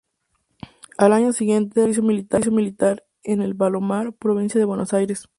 Al año siguiente, realizó el Servicio Militar en El Palomar, Provincia de Buenos Aires.